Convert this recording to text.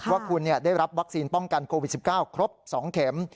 ว่าคุณได้รับวัคซีนป้องกันโควิด๑๙ครบ๒เข็ม